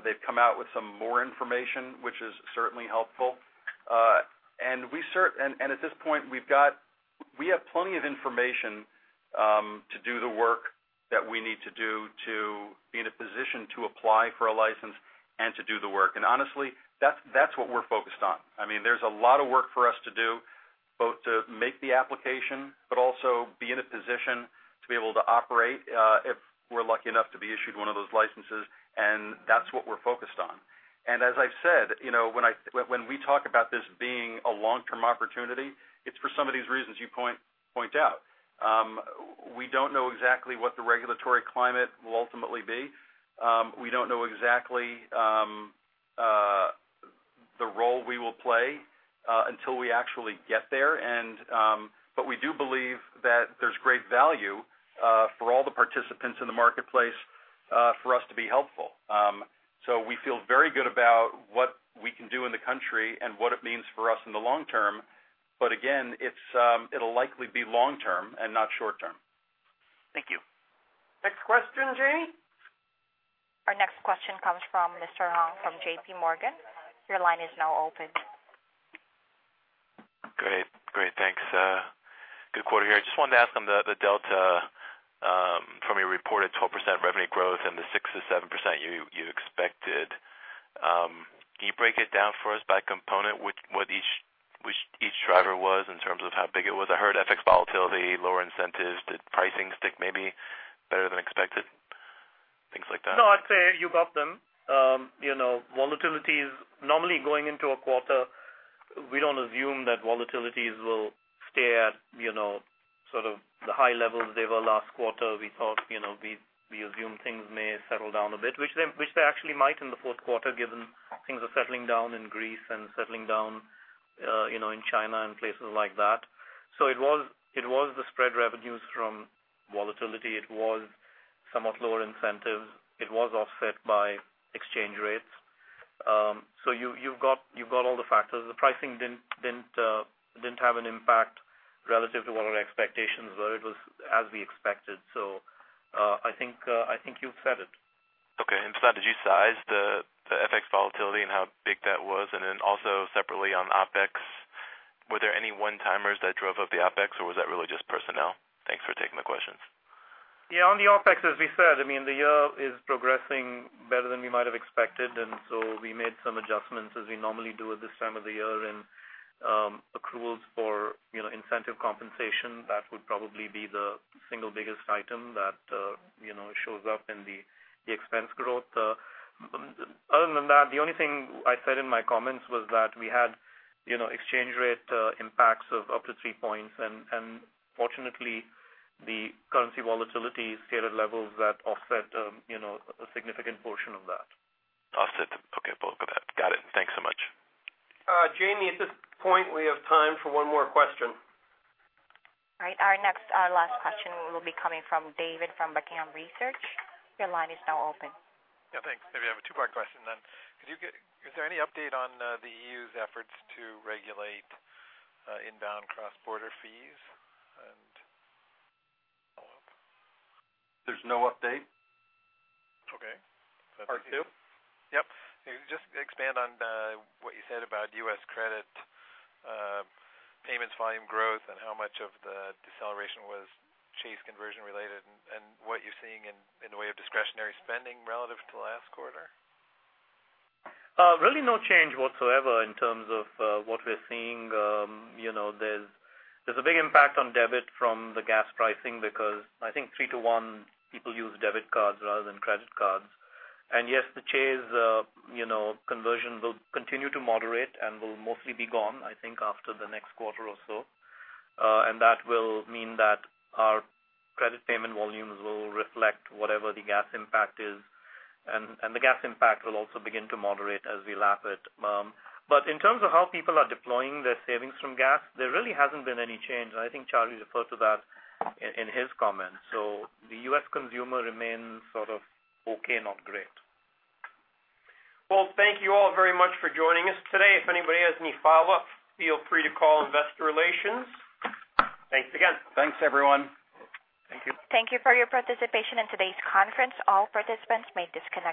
They've come out with some more information, which is certainly helpful. At this point, we have plenty of information to do the work that we need to do to be in a position to apply for a license and to do the work. Honestly, that's what we're focused on. There's a lot of work for us to do, both to make the application, but also be in a position to be able to operate if we're lucky enough to be issued one of those licenses, and that's what we're focused on. As I've said, when we talk about this being a long-term opportunity, it's for some of these reasons you point out. We don't know exactly what the regulatory climate will ultimately be. We don't know exactly the role we will play until we actually get there. We do believe that there's great value for all the participants in the marketplace for us to be helpful. We feel very good about what we can do in the country and what it means for us in the long term. Again, it'll likely be long term and not short term. Thank you. Next question, Jamie. Our next question comes from Tien-Tsin Huang from J.P. Morgan. Your line is now open. Great. Thanks. Good quarter here. I just wanted to ask on the delta from your reported 12% revenue growth and the 6% to 7% you expected. Can you break it down for us by component what each driver was in terms of how big it was? I heard FX volatility, lower incentives. Did pricing stick maybe better than expected? Things like that. I'd say you got them. Volatility is normally going into a quarter, we don't assume that volatilities will stay at sort of the high levels they were last quarter. We assume things may settle down a bit, which they actually might in the fourth quarter given things are settling down in Greece and settling down in China and places like that. It was the spread revenues from volatility. It was somewhat lower incentives. It was offset by exchange rates. You've got all the factors. The pricing didn't have an impact relative to what our expectations were. It was as we expected. I think you've said it. Okay. Vasant, did you size the FX volatility and how big that was? Also separately on OpEx, were there any one-timers that drove up the OpEx, or was that really just personnel? Thanks for taking the questions. Yeah. On the OpEx, as we said, the year is progressing better than we might have expected. So we made some adjustments as we normally do at this time of the year in accruals for incentive compensation. That would probably be the single biggest item that shows up in the expense growth. Other than that, the only thing I said in my comments was that we had exchange rate impacts of up to three points. Fortunately, the currency volatility stayed at levels that offset a significant portion of that. Offset. Okay. Got it. Thanks so much. Jamie, at this point, we have time for one more question. All right. Our last question will be coming from David from Buckingham Research. Your line is now open. Yeah, thanks. I have a two-part question then. Is there any update on the EU's efforts to regulate inbound cross-border fees? Follow-up. There's no update. Okay. Part two? Yep. Just expand on what you said about U.S. credit payments volume growth and how much of the deceleration was Chase conversion related, what you're seeing in the way of discretionary spending relative to last quarter. Really no change whatsoever in terms of what we're seeing. There's a big impact on debit from the gas pricing because I think 3 to 1 people use debit cards rather than credit cards. Yes, the Chase conversion will continue to moderate and will mostly be gone, I think, after the next quarter or so. That will mean that our credit payment volumes will reflect whatever the gas impact is. The gas impact will also begin to moderate as we lap it. In terms of how people are deploying their savings from gas, there really hasn't been any change. I think Charlie referred to that in his comments. The U.S. consumer remains sort of okay, not great. Well, thank you all very much for joining us today. If anybody has any follow-up, feel free to call investor relations. Thanks again. Thanks, everyone. Thank you. Thank you for your participation in today's conference. All participants may disconnect now.